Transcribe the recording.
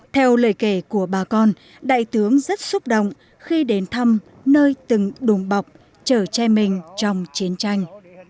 theo lời kể của bà con đại tướng rất xúc động khi đến thăm nơi từng đùng bọc chở che mình trong chiến tranh